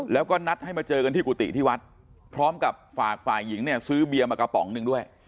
แล้วก็นัดให้มาเจอกันที่กุฏิที่วัดพร้อมกับฝากฝ่ายหญิงเนี่ยซื้อเบียร์มากระป๋องหนึ่งด้วย